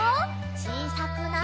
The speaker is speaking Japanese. ちいさくなって。